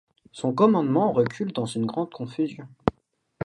Son commandement recule dans une grande confusion.